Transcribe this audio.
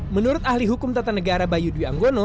menurut ahli hukum tata negara bayu dwi anggono